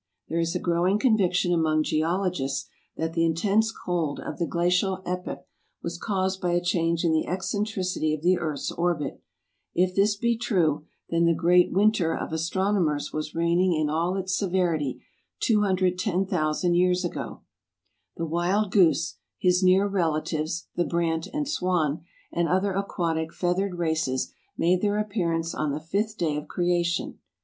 There is a growing conviction among geologists that the intense cold of the Glacial Epoch was caused by a change in the eccentricity of the earth's orbit. If this be true, then the "Great Winter" of astronomers was reigning in all its severity 210,000 years ago. The wild goose, his near relatives, the brant and swan, and other aquatic feathered races, made their appearance on the fifth day of creation.